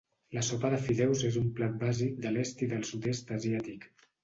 La sopa de fideus és una plat bàsic de l'est i del sud-est asiàtic.